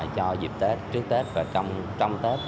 cho dịp tết trước tết và trong tết